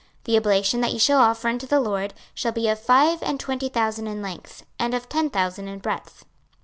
26:048:009 The oblation that ye shall offer unto the LORD shall be of five and twenty thousand in length, and of ten thousand in breadth.